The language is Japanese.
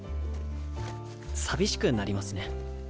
寂しくなりますね。